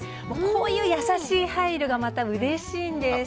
こういう優しい配慮がまたうれしいんです。